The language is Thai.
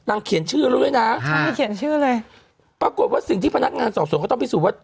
นางเขียนชื่อด้วยนะปรากฏว่าสิ่งที่พนักงานสอบสนต้องพิสูจน์ว่า